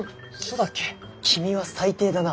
君は最低だな。